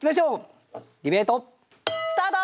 ディベートスタート！